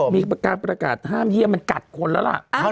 มีการประกาศห้ามเยี่ยมมันกัดคนแล้วล่ะ